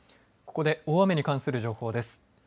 ここで大雨に関する情報です。